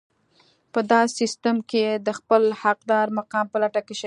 په داسې سيستم کې د خپل حقدار مقام په لټه کې شئ.